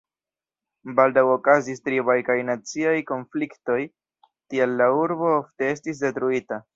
Baldaŭ okazis tribaj kaj naciaj konfliktoj, tial la urbo ofte estis detruita.